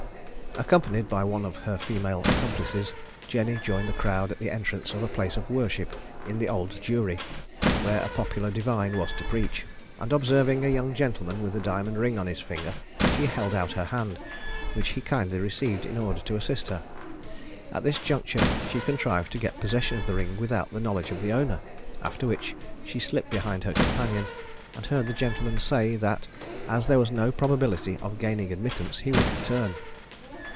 Accompanied by one of her female accomplices, Jenny joined the crowd at the entrance of a place of worship in the Old Jewry, where a popular divine was to preach, and observing a young gentleman with a diamond ring on his finger she held out her hand, which he kindly received in order to assist her. At this juncture she contrived to get possession of the ring without the knowledge of the owner, after which she slipped behind her companion, and heard the gentleman say, that, as there was no probability of gaining admittance, he would return.